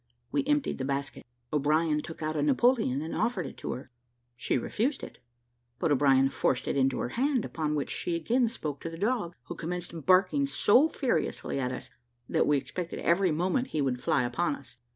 We emptied the basket. O'brien took out a Napoleon and offered it to her; she refused it, but O'Brien forced it into her hand, upon which she again spoke to the dog, who commenced barking so furiously at us, that we expected every moment he would fly upon us.